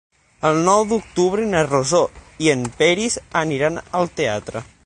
El nou d'octubre na Rosó i en Peris aniran al teatre.